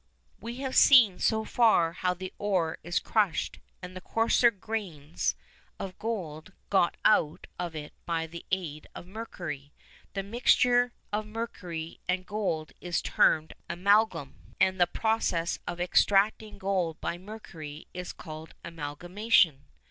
We have seen so far how the ore is crushed, and the coarser grains of gold got out of it by the aid of mercury. The mixture of mercury and gold is termed amalgam, and the process of extracting gold by mercury is called amalgamation.